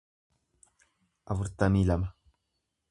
afurtamii lama